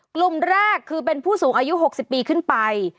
กลุ่มแรกคือเป็นผู้สูงอายุ๖๐ปีขึ้นไป